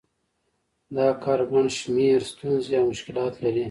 دا کار ګڼ شمېر ستونزې او مشکلات لري